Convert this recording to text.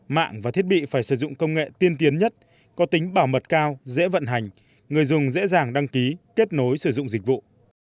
mạng và thiết bị phải sử dụng công nghệ tiên tiến nhất có tính bảo mật cao dễ vận hành người dùng dễ dàng đăng ký kết nối sử dụng dịch vụ